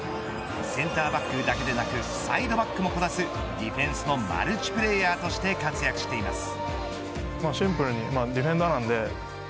センターバックだけでなくサイドバックもこなすディフェンスのマルチプレーヤーとして活躍しています。